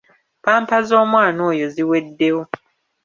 Ppampa z'omwana oyo ziweddewo.